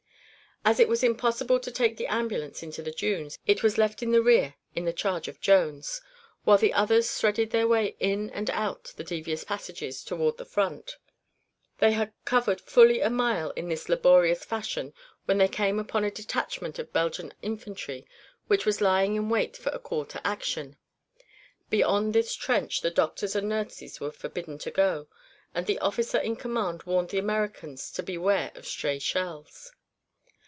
As it was impossible to take the ambulance into the dunes, it was left in the rear in charge of Jones, while the others threaded their way in and out the devious passages toward the front. They had covered fully a mile in this laborious fashion before they came upon a detachment of Belgian infantry which was lying in wait for a call to action. Beyond this trench the doctors and nurses were forbidden to go, and the officer in command warned the Americans to beware of stray shells.